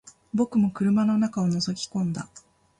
僕も車の中を覗き込んだ